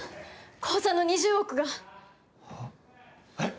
口座の２０億がえっ！？